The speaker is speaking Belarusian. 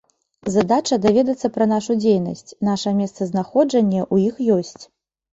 Задача даведацца пра нашу дзейнасць, наша месцазнаходжанне ў іх ёсць.